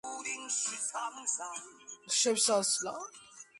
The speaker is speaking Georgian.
მარნის ცალკეულ კუთხეებში სრულდებოდა რიტუალები და წეს-ჩვეულებანი.